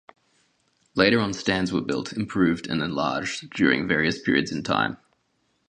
Later on stands were built, improved and enlarged during various periods in time.